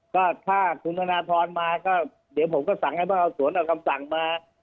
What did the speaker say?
ก็ถ้าคุณธนทรมาก็เดี๋ยวผมก็สั่งให้พนักงานสวนเอาคำสั่งมา